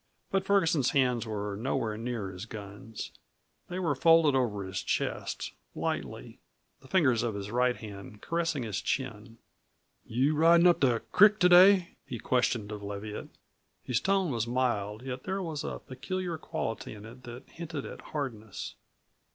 But Ferguson's hands were nowhere near his guns. They were folded over his chest lightly the fingers of his right hand caressing his chin. "You ridin' up the crick to day?" he questioned of Leviatt. His tone was mild, yet there was a peculiar quality in it that hinted at hardness.